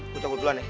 gue cabut duluan ya